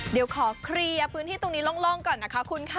เดี๋ยวขอเคลียร์พื้นที่ตรงนี้โล่งก่อนนะคะคุณค่ะ